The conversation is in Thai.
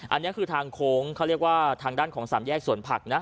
อันนี้คือทางโค้งเขาเรียกว่าทางด้านของสามแยกสวนผักนะ